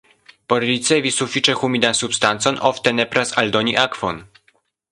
Por ricevi sufiĉe humidan substancon ofte nepras aldoni akvon.